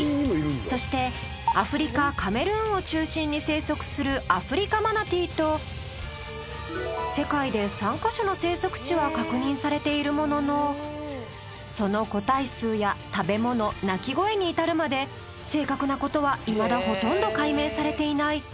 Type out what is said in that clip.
そしてアフリカ・カメルーンを中心に生息するアフリカマナティーと世界で３カ所の生息地は確認されているもののその個体数や食べ物鳴き声に至るまで正確な事はいまだほとんど解明されていない